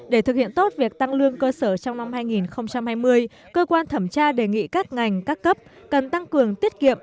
để thực hiện tốt việc tăng lương cơ sở trong năm hai nghìn hai mươi cơ quan thẩm tra đề nghị các ngành các cấp cần tăng cường tiết kiệm